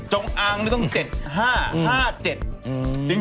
จงอังก็ต้อง๗๕๕๗